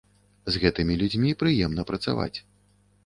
З гэтымі людзьмі прыемна працаваць.